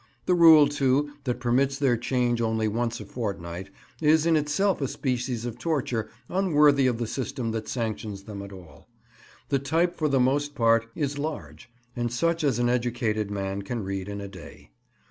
The rule, too, that permits their change only once a fortnight is in itself a species of torture unworthy of the system that sanctions them at all. The type for the most part is large, and such as an educated man can read in a day.